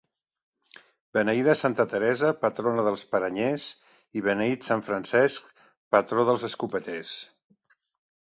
Beneïda santa Teresa, patrona dels paranyers, i beneït sant Francesc, patró dels escopeters.